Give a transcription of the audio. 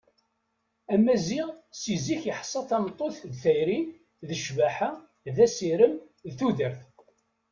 Amaziɣ si zik yeḥsa tameṭṭut d tayri, d ccbaḥa, d asirem, d tudert.